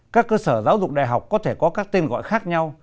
các cơ sở giáo dục đại học có thể có các tên gọi khác nhau